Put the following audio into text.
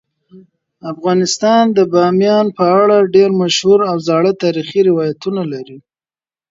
افغانستان د بامیان په اړه ډیر مشهور او زاړه تاریخی روایتونه لري.